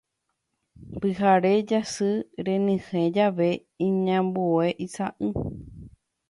Pyhare jasy renyhẽ jave iñambue isa'y.